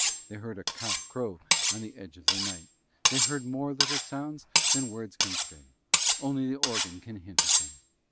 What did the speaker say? They heard a cock crow on the edge of the night; they heard more little sounds than words can say; only the organ can hint at them.